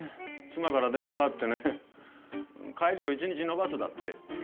妻から電話があってね帰りを１日延ばすだって。